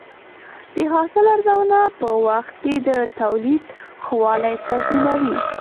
د حاصل ارزونه په وخت کې د تولید ښه والی تضمینوي.